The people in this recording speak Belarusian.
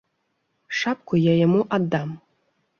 Шапку я яму аддам.